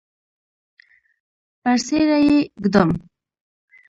پر څیره یې ږدم